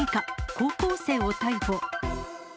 高校生を逮捕。